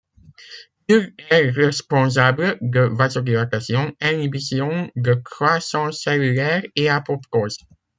Il est responsable de vasodilatation, inhibition de croissance cellulaire et apoptose.